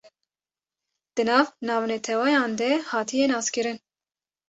di nav navnetewayan de hatiye naskirin